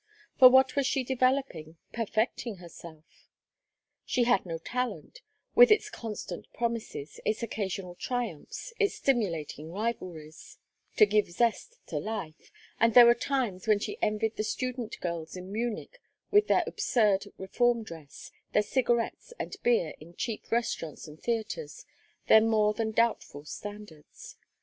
For what was she developing, perfecting herself? She had no talent, with its constant promises, its occasional triumphs, its stimulating rivalries, to give zest to life; and there were times when she envied the student girls in Munich with their absurd "reform dress," their cigarettes and beer in cheap restaurants and theatres, their more than doubtful standards.